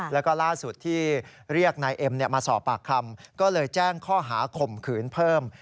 แล้วก็ล่าสุดที่เรียกนายเอ็มมาสอบปากคำก็เลยแจ้งข้อหาข่มขืนเพิ่ม